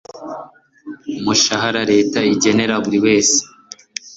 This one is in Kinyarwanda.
mushahara Leta igenera buri wese